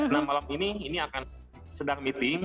nah malam ini ini akan sedang meeting